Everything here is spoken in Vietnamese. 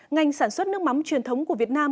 ngành sản xuất nước mắm truyền thống của việt nam